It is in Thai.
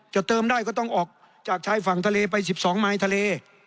เติมได้ก็ต้องออกจากชายฝั่งทะเลไป๑๒มายทะเล